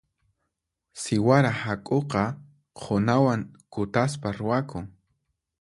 Siwara hak'uqa qhunawan kutaspa ruwakun.